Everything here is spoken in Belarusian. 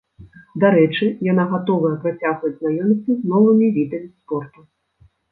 Дарэчы, яна гатовая працягваць знаёміцца з новымі відамі спорту.